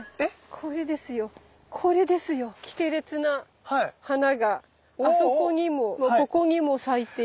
これですよこれですよ。キテレツな花があそこにもここにも咲いている。